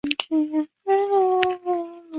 米诺斯王的妻子帕斯菲可能是塔罗斯的女儿。